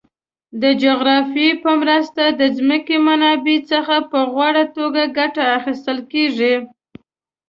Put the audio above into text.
د جغرافیه په مرسته د ځمکې منابعو څخه په غوره توګه ګټه اخیستل کیږي.